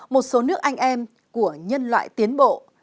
một số nước anh em của nhân loại tiến bộ